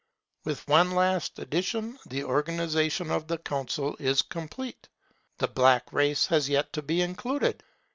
With one last edition the organization of the Council is complete. The black race has yet to be included.